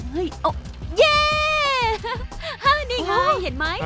เฮ้ยโอ๊ะเย้ฮ่านี่ไงเห็นไหม